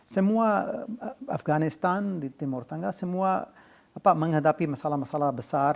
semua afganistan di timur tengah semua menghadapi masalah masalah besar